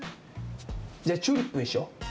じゃあ「チューリップ」にしよう。